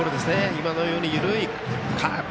今のように緩いカーブ。